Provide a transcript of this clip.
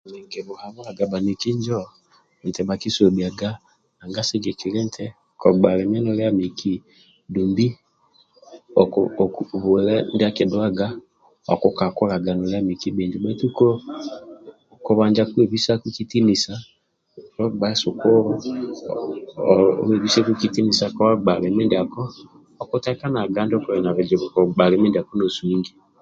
Emi nkibhuhabhulaga bhaniki injo nti bhakisobhiyaga nanga sigikilya nti kobgalimi nolua miki dumbi bwile ndyakuduwaga okukakukaga nolua miki bhijo bhetu kobanja kwebhisaku kitinisa obga sukulu webhisaku kitinisa ka bga limi ndyako okutekenaga ndyokoli na bhizibu ko bga limi ndyako no sungi